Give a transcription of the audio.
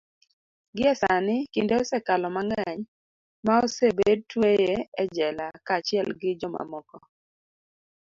gie sani, kinde osekalo mang'eny ma osebed tweye e jela kaachiel gi jomamoko